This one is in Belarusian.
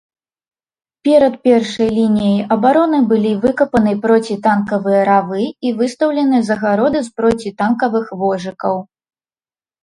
Перад першай лініяй абароны былі выкапаны процітанкавыя равы і выстаўлены загароды з процітанкавых вожыкаў.